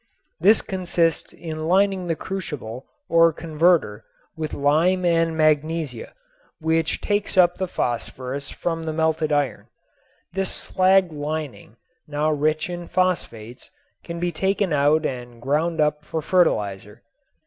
This consists in lining the crucible or converter with lime and magnesia, which takes up the phosphorus from the melted iron. This slag lining, now rich in phosphates, can be taken out and ground up for fertilizer.